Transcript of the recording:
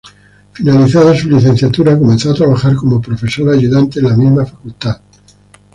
Finalizada su licenciatura comenzó a trabajar como profesora ayudante en la misma facultad.